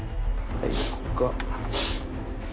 はい。